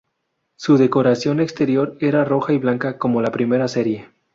Su decoración exterior era roja y blanca como la primera serie.